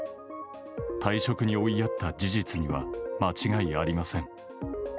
退職に追いやった事実には間違いありません。